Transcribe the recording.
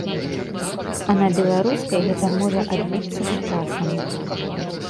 А на беларускай гэта можа адбіцца з часам.